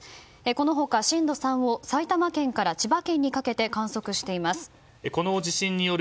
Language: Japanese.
このほか震度３を埼玉県から千葉県にかけて観測しています。